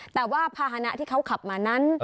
แต่ว่าภาษณะที่เขาขับมานั้น